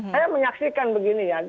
saya menyaksikan begini ya